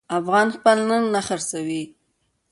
افغان خپل ننګ نه خرڅوي.